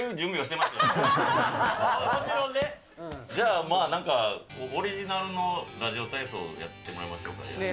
じゃあまあ、なんか、オリジナルのラジオ体操やってもらいましょうかね。